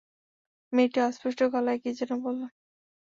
মেয়েটি অস্ফুট গলায় কী-যেন বলল।